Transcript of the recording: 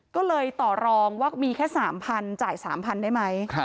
ก็เลยต่อรองว่ามีแค่๓๐๐จ่าย๓๐๐ได้ไหม